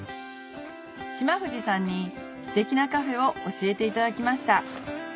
島藤さんにステキなカフェを教えていただきました